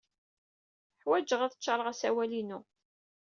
Ḥwajeɣ ad d-ččaṛeɣ asawal-inu.